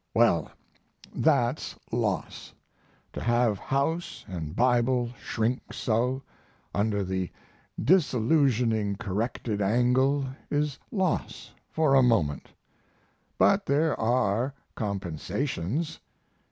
Well, that's loss. To have house & Bible shrink so, under the disillusioning corrected angle, is loss for a moment. But there are compensations.